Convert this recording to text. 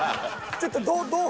ちょっとどう？